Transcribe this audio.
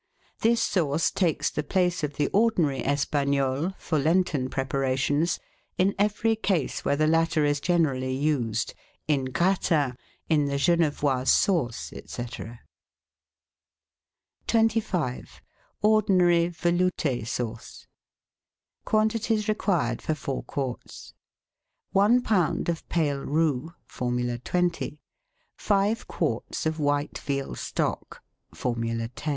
This sauce takes the place of the ordinary Espagnole, for Lenten preparations, in every case where the latter is generally used, in Gratins, in the Genevoise sauce, &c. c 3 20 GUIDE TO MODERN COOKERY 25 ORDINARY VELOUTE SAUCE Quantities Required for Four Quarts. — One lb. of pale roux (Formula 20), five quarts of white veal stock (Formula 10).